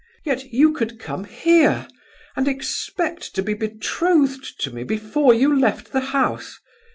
Yet you could come here and expect to be betrothed to me before you left the house!